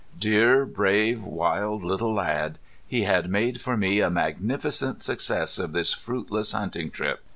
Dear, brave, wild, little lad! He had made for me a magnificent success of this fruitless hunting trip.